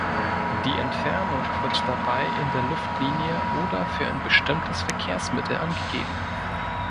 Die Entfernung wird dabei in der Luftlinie oder für ein bestimmtes Verkehrsmittel angegeben.